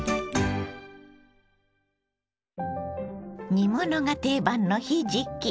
煮物が定番のひじき。